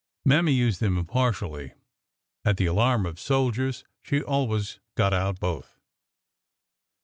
Mammy used them impartially. At the alarm of soldiers she always got out both.